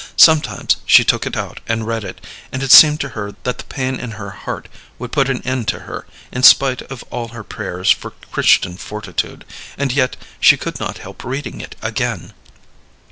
Sometimes she took it out and read it, and it seemed to her that the pain in her heart would put an end to her in spite of all her prayers for Christian fortitude; and yet she could not help reading it again.